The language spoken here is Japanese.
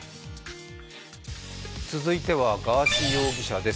続いてはガーシー容疑者です